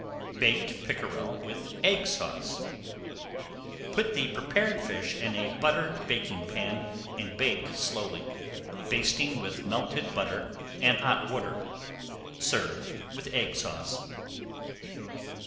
BAKED PICKEREL WITH EGG SAUCE Put the prepared fish in a buttered baking pan, and bake slowly, basting with melted butter and hot water. Serve with Egg Sauce.